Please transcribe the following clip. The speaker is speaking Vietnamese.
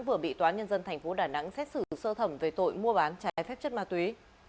vừa bị tòa nhân dân tp đà nẵng xét xử sơ thẩm về tội mua bán trái phép chất ma túy